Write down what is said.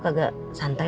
kalau saya sih santai aja